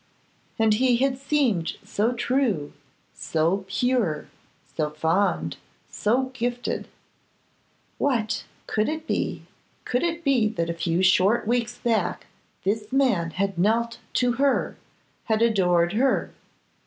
And he had seemed so true, so pure, so fond, so gifted! What! could it be, could it be that a few short weeks back this man had knelt to her, had adored her?